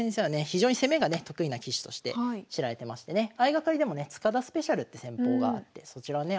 非常に攻めがね得意な棋士として知られてましてね相掛かりでもね塚田スペシャルって戦法があってそちらをね